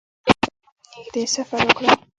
ایا زه باید نږدې سفر وکړم؟